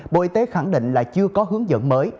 bộ y tế khẳng định là chưa có hướng dẫn mới